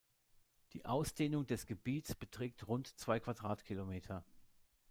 Die Ausdehnung des Gebiets beträgt rund zwei Quadratkilometer.